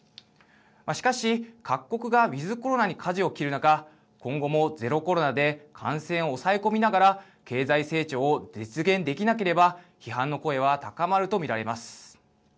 しかし、各国がウィズコロナにかじを切る中今後もゼロコロナで感染を抑え込みながら経済成長を実現できなければ批判の声は高まると見られます。